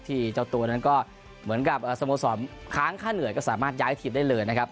เจ้าตัวนั้นก็เหมือนกับสโมสรค้างค่าเหนื่อยก็สามารถย้ายทีมได้เลยนะครับ